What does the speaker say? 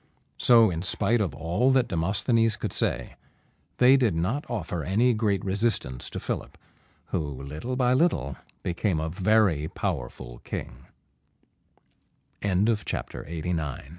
So, in spite of all that Demosthenes could say, they did not offer any great resistance to Philip, who little by little became a very powerful